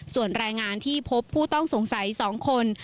ส่วนรายงานที่พบผู้ต้องสงสัย๒คน